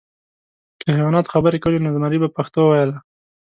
که حیواناتو خبرې کولی، نو زمری به پښتو ویله .